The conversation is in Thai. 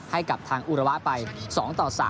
ให้กับทางอุระวะไป๒ต่อ๓